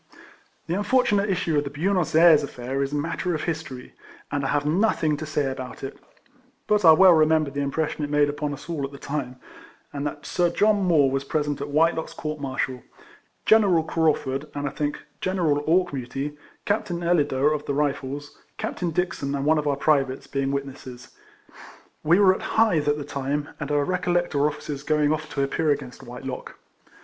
The unfortunate issue of the Buenos Ayres affair is matter of history, and I have nothing to say about it; but I well 8 KECOLLECTIONS OF remember the impression it made upon us all at the time, and that Sir John Moore was present at Whitelock's court martial; General Craufurd, and I think General Auchmuty, Captain Eledfer of the Rifles, Captain Dickson, and one of our privates, being witnesses. We were at Hythe at the time, and I recollect our officers going olF to appear against Whitelock.